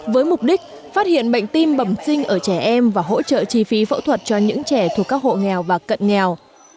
với mục đích phát hiện bệnh tim bẩm sinh ở trẻ em và hỗ trợ chi phí phẫu thuật cho những trẻ thuộc các hộ nghèo và cận nghèo